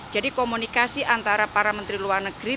komunikasi antara para menteri luar negeri